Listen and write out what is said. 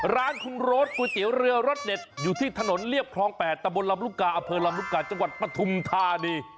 ร้านคุณโรสก๋วยเตี๋ยวเรือรสเด็ดอยู่ที่ถนนเรียบคลอง๘ตะบนลำลูกกาอำเภอลำลูกกาจังหวัดปฐุมธานี